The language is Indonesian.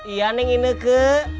iya neng ineke